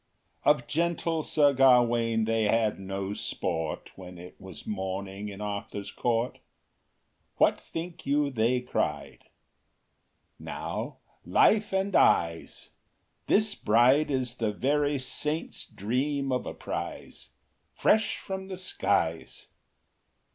IV Of gentle Sir Gawain they had no sport, When it was morning in Arthur’s court; What think you they cried? Now, life and eyes! This bride is the very Saint’s dream of a prize, Fresh from the skies!